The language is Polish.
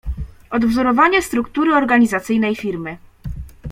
Odwzorowanie struktury organizacyjnej Firmy